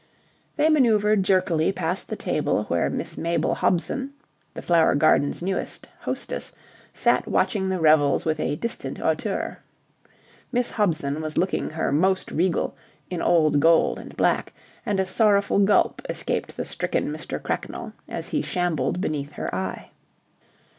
They manoeuvred jerkily past the table where Miss Mabel Hobson, the Flower Garden's newest "hostess," sat watching the revels with a distant hauteur. Miss Hobson was looking her most regal in old gold and black, and a sorrowful gulp escaped the stricken Mr. Cracknell as he shambled beneath her eye.